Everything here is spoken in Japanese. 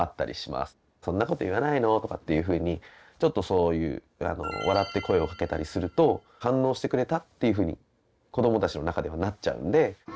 「そんなこと言わないの」とかっていうふうにちょっとそういう笑って声をかけたりすると「反応してくれた！」っていうふうに子どもたちの中ではなっちゃうんで。